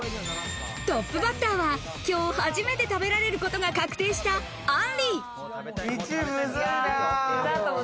トップバッターは今日、初めて食べられることが確定した１位、ムズイなぁ。